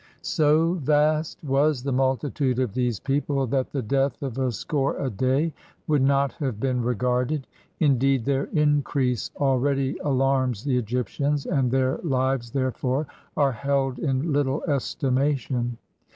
So vast was the multitude of these people that the death of a score a day would not have been regarded. Indeed, 125 EGITT their increase already alarms the Egyptians, and their hves, therefore, are held in little estimation.